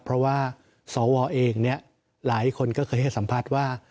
เพราะว่าสวเองเนี่ยหลายคนก็เคยให้สัมภาษณ์ว่า